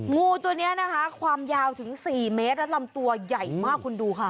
งูตัวนี้นะคะความยาวถึง๔เมตรและลำตัวใหญ่มากคุณดูค่ะ